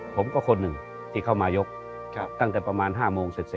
คนหนึ่งที่เข้ามายกตั้งแต่ประมาณ๕โมงเสร็จ